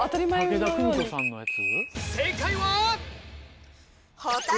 武田久美子さんのやつ？